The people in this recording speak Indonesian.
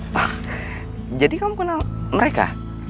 pak jadi kamu kenal mereka